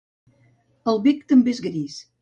El bec també és gris.